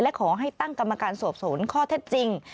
และขอให้ตั้งกรรมการสอบสวนข้อเท็จจริง